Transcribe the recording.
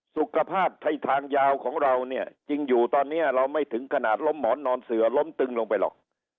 สุขภาพไทยทางยาวของเราเนี่ยจริงอยู่ตอนนี้เราไม่ถึงขนาดล้มหมอนนอนเสือล้มตึงลงไปหรอก